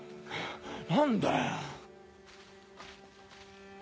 何だよ。